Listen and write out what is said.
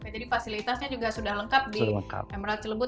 jadi fasilitasnya juga sudah lengkap di emerald celebut